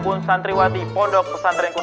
ayah gue mau ikut kumpul